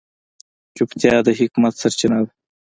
چوپتیا، د حکمت سرچینه ده.